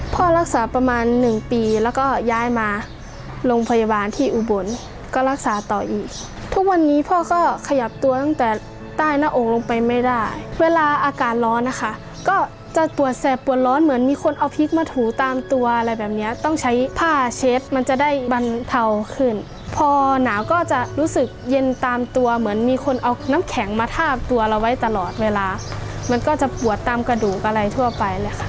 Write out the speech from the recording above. พ่อรักษาประมาณหนึ่งปีแล้วก็ย้ายมาโรงพยาบาลที่อุบลก็รักษาต่ออีกทุกวันนี้พ่อก็ขยับตัวตั้งแต่ใต้หน้าอกลงไปไม่ได้เวลาอาการร้อนนะคะก็จะปวดแสบปวดร้อนเหมือนมีคนเอาพริกมาถูตามตัวอะไรแบบเนี้ยต้องใช้ผ้าเช็ดมันจะได้บรรเทาขึ้นพอหนาวก็จะรู้สึกเย็นตามตัวเหมือนมีคนเอาน้ำแข็งมาทาบตัวเราไว้ตลอดเวลามันก็จะปวดตามกระดูกอะไรทั่วไปเลยค่ะ